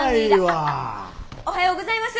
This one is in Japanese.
あっあっおはようございます。